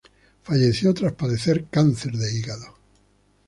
Falleció tras padecer cáncer de hígado.